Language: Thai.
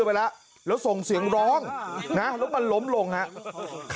ไปแล้วส่งเสียงร้องเหนือมันลมลงค่ะ